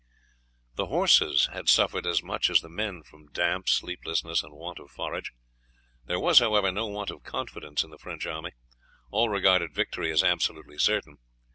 The horses had suffered as much as the men from damp, sleeplessness, and want of forage. There was, however, no want of confidence in the French army all regarded victory as absolutely certain.